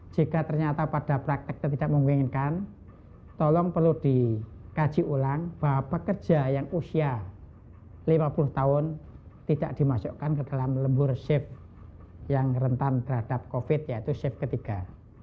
jika ternyata pada praktek itu tidak memungkinkan tolong perlu dikaji ulang bahwa pekerja yang usia lima puluh tahun tidak dimasukkan ke dalam lembur shift yang rentan terhadap covid yaitu shift ketiga